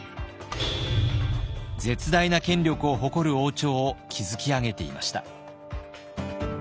絶大な権力を誇る王朝を築き上げていました。